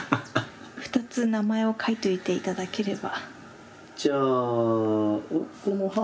２つ名前を書いといて頂ければ。